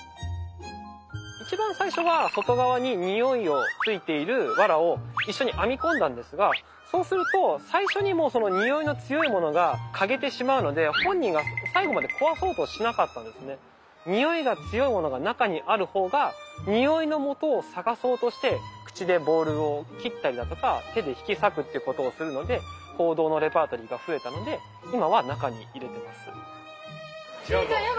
一番最初は外側に匂いを付いているわらを一緒に編み込んだんですがそうすると最初にもうその匂いの強いものが嗅げてしまうので本人が匂いが強いものが中にある方が匂いのもとを探そうとして口でボールを切ったりだとか手で引き裂くっていうことをするので行動のレパートリーが増えたので今は中に入れてます。